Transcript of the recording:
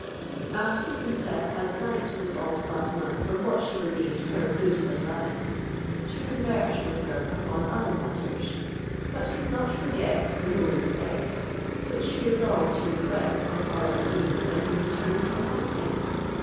After the princess had thanked the false Fatima for what she believed her good advice, she conversed with her upon other matters; but could not forget the roe's egg, which she resolved to request of Alla ad Deen when he returned from hunting.